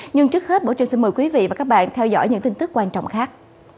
nhưng trước hết bộ trưởng xin mời quý vị và các bạn theo dõi những tin tức quan trọng khác